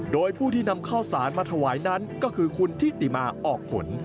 และผู้ที่นำข้าวสารมาทโวยนั้นก็คือคนที่ทิตไม่ออกฝน